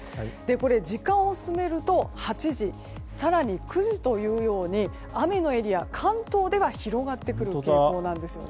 時間を進めると８時更に９時というように雨のエリアが関東では広がってくるという予報です。